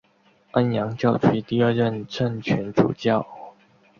安阳教区第二任正权主教。